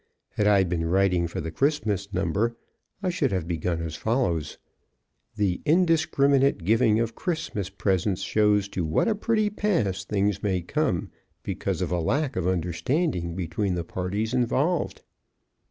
Had I been writing for the Christmas number, I should have begun as follows: "The indiscriminate giving of Christmas presents shows to what a pretty pass things may come because of a lack of understanding between the parties involved."